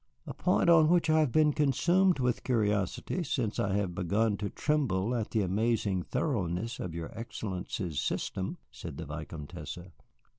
"A point on which I have been consumed with curiosity since I have begun to tremble at the amazing thoroughness of your Excellency's system," said the Vicomtesse.